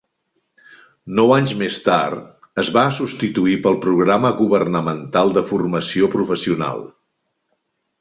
Nou anys més tard, es va substituir pel Programa Governamental de Formació Professional.